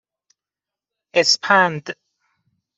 اِسپند